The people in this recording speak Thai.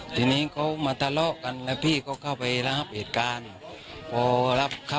ทีนี้เขามาตลอกกันพี่เขาเข้าไประหับเหตุการณ์